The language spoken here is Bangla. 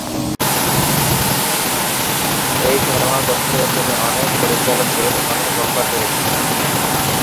এই সিনেমার পর থেকে তিনি অনেক পরিচালকদের অনেক অফার পেয়েছিলেন।